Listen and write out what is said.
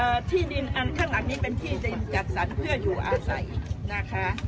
เป็นที่อ่านข้างหลังนี้เป็นที่ดินกัดสรรค์เพื่ออยู่อาศัยนะคะ